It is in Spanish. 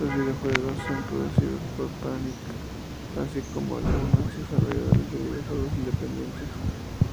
Los videojuegos son producidos por Panic, así como por algunos desarrolladores de videojuegos independientes.